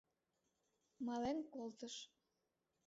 Мален колтыш.